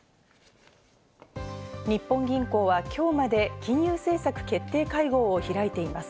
日本銀行は今日まで金融政策決定会合を開いています。